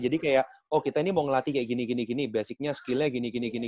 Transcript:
jadi kayak oh kita ini mau ngelatih kayak gini gini basicnya skill nya gini gini